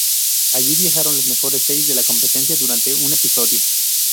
Allí viajaron las mejores seis de la competencia durante un episodio.